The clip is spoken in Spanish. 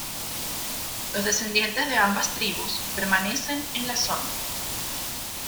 Los descendientes de ambas tribus permanecen en la zona.